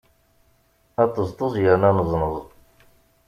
Aṭeẓṭeẓ yerna aneẓneẓ.